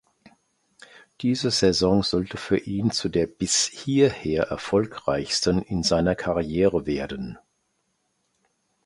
Diese Saison sollte für ihn zu der bis hierher erfolgreichsten in seiner Karriere werden.